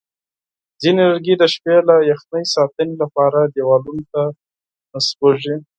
ځینې لرګي د شپې له یخنۍ ساتنې لپاره دیوالونو ته نصبېږي.